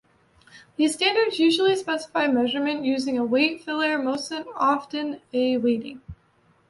These standards usually specify measurement using a weighting filter, most often A-weighting.